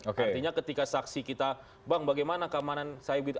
artinya ketika saksi kita bank bagaimana keamanan saya begitu